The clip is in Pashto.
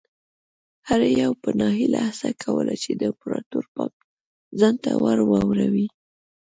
هر یوه په ناهیلۍ هڅه کوله چې د امپراتور پام ځان ته ور واړوي.